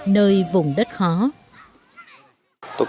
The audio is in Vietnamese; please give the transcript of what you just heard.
nơi vùng đất khó